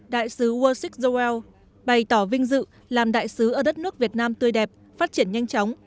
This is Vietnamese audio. đại sứ ursus joel bày tỏ vinh dự làm đại sứ ở đất nước việt nam tươi đẹp phát triển nhanh chóng